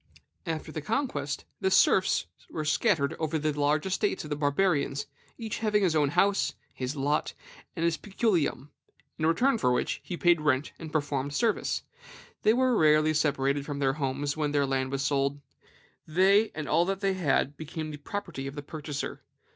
"After the conquest, the serfs were scattered over the large estates of the Barbarians, each having his house, his lot, and his peculium, in return for which he paid rent and performed service. They were rarely separated from their homes when their land was sold; they and all that they had became the property of the purchaser.